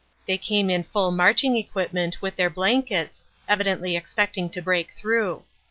They came in full marching equipment with their blankets, evidently expecting to break through.